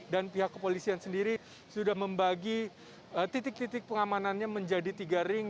dan pihak kepolisian sendiri sudah membagi titik titik pengamanannya menjadi tiga ring